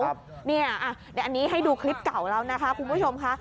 เดี๋ยวอันนี้ให้ดูคลิปเก่าแล้วนะคะคุณผู้ชมค่ะ